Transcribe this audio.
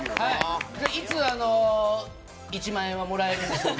いつ、１万円はもらえるんでしょうか？